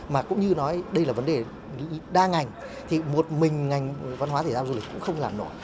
mà cũng như nói đây là vấn đề đa ngành thì một mình ngành văn hóa thể thao du lịch cũng không làm nổi